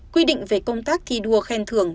quy định về công tác thi đua khen thường